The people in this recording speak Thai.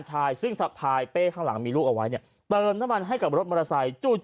แต่ว่าปั๊มน้ำมันอ่ะนะ